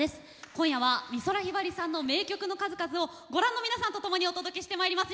今夜は、美空ひばりさんの名曲の数々をご覧の皆さんとともにお届けしてまいります。